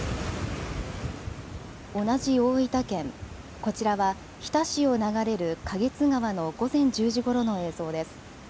同じ大分県、こちらは日田市を流れる花月川の午前１０時ごろの映像です。